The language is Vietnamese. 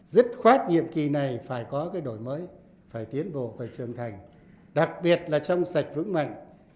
dứt khoát nhiệm kỳ này phải có cái đổi mới phải tiến bộ phải trưởng thành đặc biệt là trong sạch vững mạnh